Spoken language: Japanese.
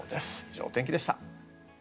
以上、お天気でした。